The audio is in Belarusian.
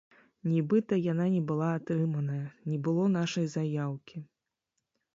Нібыта, яна не была атрыманая, не было нашай заяўкі.